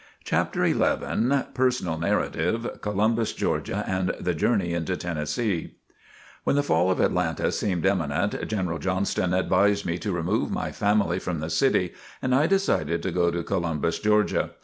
CHAPTER XI PERSONAL NARRATIVE COLUMBUS (GEORGIA) AND THE JOURNEY INTO TENNESSEE When the fall of Atlanta seemed imminent, General Johnston advised me to remove my family from the city and I decided to go to Columbus, Georgia.